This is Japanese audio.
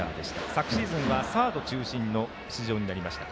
昨シーズンはサード中心の出場になりました。